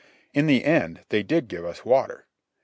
In the end they did give us water.